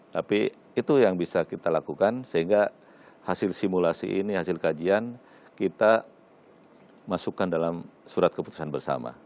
tapi itu yang bisa kita lakukan sehingga hasil simulasi ini hasil kajian kita masukkan dalam surat keputusan bersama